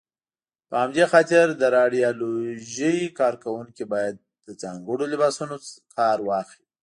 په همدې خاطر د راډیالوژۍ کاروونکي باید له ځانګړو لباسونو کار واخلي.